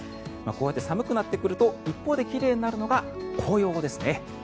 こうやって寒くなってくると一方で奇麗になるのが紅葉ですね。